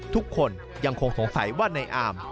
ทุกคนยังคงสงสัยว่าในอาม